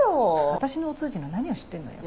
私のお通じの何を知ってんのよ？